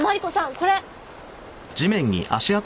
これ！